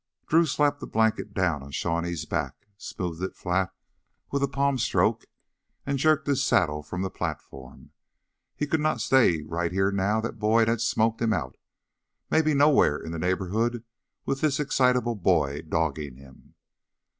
Drew slapped the blanket down on Shawnee's back, smoothed it flat with a palm stroke, and jerked his saddle from the platform. He could not stay right here now that Boyd had smoked him out maybe nowhere in the neighborhood with this excitable boy dogging him.